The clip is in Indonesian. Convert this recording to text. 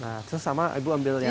nah terus sama ibu ambil yang